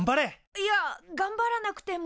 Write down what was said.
いやがんばらなくても。